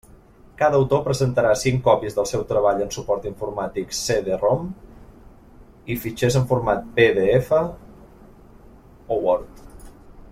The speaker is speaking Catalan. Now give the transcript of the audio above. Cada autor presentarà cinc còpies del seu treball en suport informàtic CD-ROM i fitxers en format PDF o Word.